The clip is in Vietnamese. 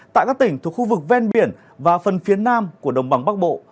tại các tỉnh thuộc khu vực ven biển và phần phía nam của đồng bằng bắc bộ